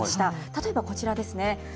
例えばこちらですね。